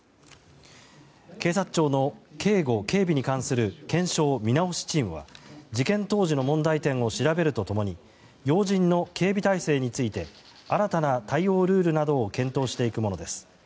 警察庁の警護・警備に関する検証・見直しチームは事件当時の問題点を調べると共に要人の警備体制について新たな対応ルールなどを検討していくものです。